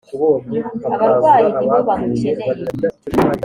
abarwayi ni bo bamukeneye.